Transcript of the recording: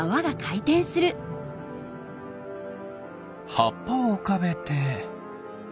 はっぱをうかべて。